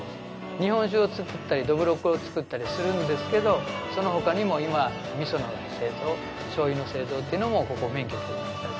日本酒を造ったりどぶろくを造ったりするんですけどその他にも今味噌の製造醤油の製造っていうのもここ免許取りましたし